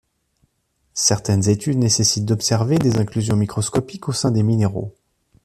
Certaines études nécessitent d'observer des inclusions microscopiques au sein des minéraux.